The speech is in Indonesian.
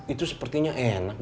itu sepertinya enak bu